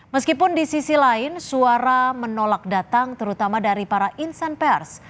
meskipun di sisi lain suara menolak datang terutama dari para insan pers